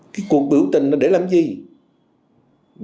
cái cuộc biểu tình đó để làm sao